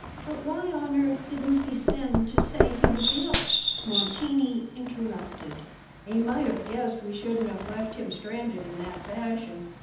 "But why on earth didn't he send to say he was ill?" Martini interrupted. "He might have guessed we shouldn't have left him stranded in that fashion."